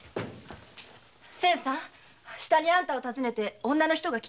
仙さん下にあんたを訪ねて女の人が来てますよ。